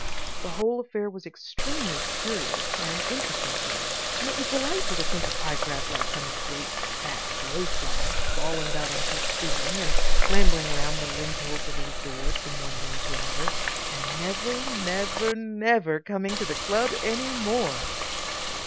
The whole affair was extremely curious and interesting to me, and it was delightful to think of Pyecraft like some great, fat blow fly, crawling about on his ceiling and clambering round the lintels of his doors from one room to another, and never, never, never coming to the club any more....